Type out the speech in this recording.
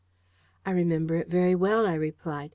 "I remember it very well," I replied.